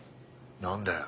何だよ